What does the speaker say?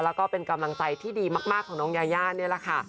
แล้วก็เป็นกำลังใจที่ดีมากของน้องยายานี่แหละค่ะ